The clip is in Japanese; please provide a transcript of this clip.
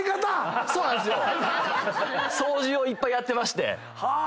掃除をいっぱいやってまして。